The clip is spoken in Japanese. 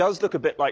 はい。